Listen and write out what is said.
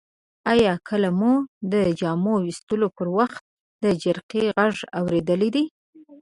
آیا کله مو د جامو ویستلو پر وخت د جرقې غږ اوریدلی دی؟